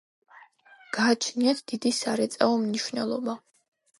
გააჩნიათ დიდი სარეწაო მნიშვნელობა.